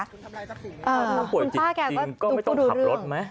ถ้าผ่วยจิตจริงก็ไม่ต้องขับรถไหม